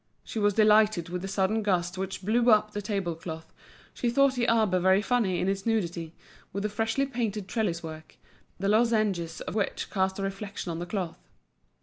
She was delighted with the sudden gusts which blew up the table cloth, she thought the arbour very funny in its nudity, with the freshly painted trellis work, the lozenges of which cast a reflection on the cloth.